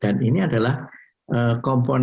dan ini adalah komponen